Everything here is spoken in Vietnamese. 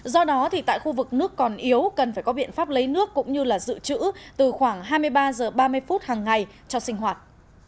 do đó tại khu vực nước còn yếu cần phải có biện pháp lấy nước cũng như dự trữ từ khoảng hai mươi ba h ba mươi phút hàng ngày cho sinh hoạt